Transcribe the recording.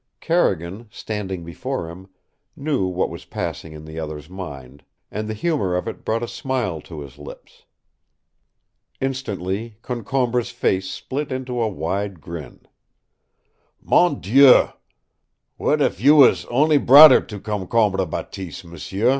Carrigan, standing before him, knew what was passing in the other's mind, and the humor of it brought a smile to his lips. Instantly Concombre's face split into a wide grin. "MON DIEU, w'at if you was on'y brother to Concombre Bateese, m'sieu.